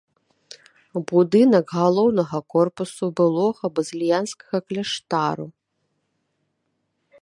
Будынак галоўнага корпуса былога базыльянскага кляштару.